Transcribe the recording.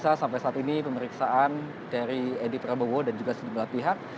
ya selama siang fara nisa sampai saat ini pemeriksaan dari edy prabowo dan juga sejumlah pihak